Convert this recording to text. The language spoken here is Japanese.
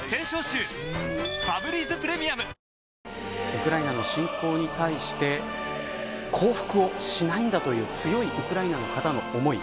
ウクライナの侵攻に対して降伏をしないという強いウクライナの方の思い。